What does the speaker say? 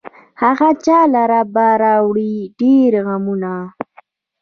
هغه چا لره به راوړي ډېر غمونه